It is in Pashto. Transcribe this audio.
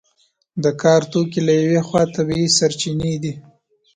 د کار توکي له یوې خوا طبیعي سرچینې دي.